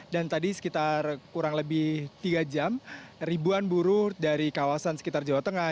dan tadi sekitar kurang lebih tiga jam ribuan buruh dari kawasan sekitar jawa tengah